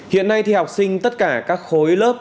hiện nay học sinh tất cả các khối lớp